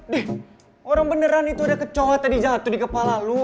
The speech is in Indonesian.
dih orang beneran itu ada ke cowok yang tadi jatuh di kepala lu